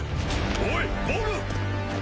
おいボブ！